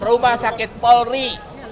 di rumah sakit polri